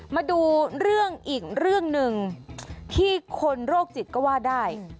มาดูเรื่องอีกเรื่องหนึ่งที่คนโรคจิตก็ว่าได้